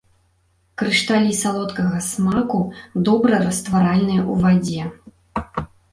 Крышталі салодкага смаку, добра растваральныя ў вадзе.